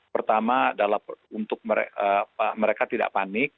pertama adalah untuk mereka tidak panik